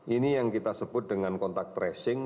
ini yang kita sebut dengan kontak tracing